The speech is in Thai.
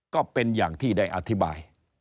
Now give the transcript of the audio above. ก็เป็นอย่างที่ได้อธิบาย